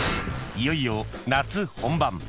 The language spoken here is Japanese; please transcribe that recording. ［いよいよ夏本番］